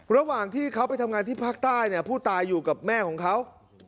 ระหว่างที่เขาไปทำงานที่ภาคใต้เนี่ยผู้ตายอยู่กับแม่ของเขา